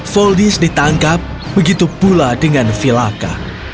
voldis ditangkap begitu pula dengan velaka